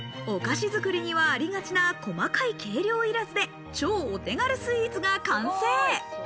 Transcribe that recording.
お菓子作りにはありがちな細かい軽量いらずで、超お手軽スイーツが完成。